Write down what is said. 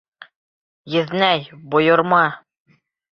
Еҙнәй, бойорма!